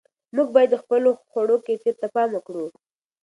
موږ باید د خپلو خوړو کیفیت ته پام وکړو.